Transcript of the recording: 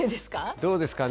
どうですかね？